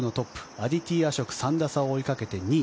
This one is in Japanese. アディティ・アショク３打差を追いかけて２位。